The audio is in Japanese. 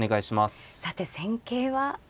さて戦型は。